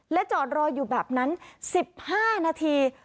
จอดรออยู่แบบนั้น๑๕นาที